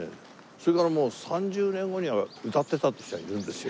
それからもう３０年後には歌ってたっていう人がいるんですよ。